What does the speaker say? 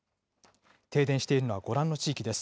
停電しているのはご覧の地域です。